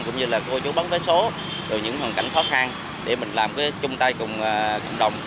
cũng như là cô chú bán vé số rồi những hoàn cảnh khó khăn để mình làm chung tay cùng cộng đồng